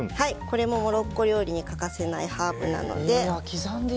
これもモロッコ料理に欠かせないハーブなので。